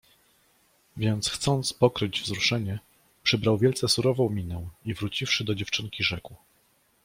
Więc chcąc pokryć wzruszenie przybrał wielce surową minę i wróciwszy do dziewczynki rzekł.